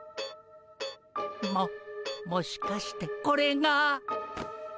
ももしかしてこれが。